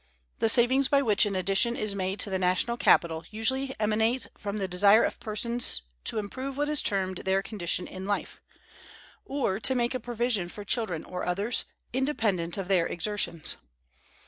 The savings by which an addition is made to the national capital usually emanate from the desire of persons to improve what is termed their condition in life, or to make a provision for children or others, independent of their exertions.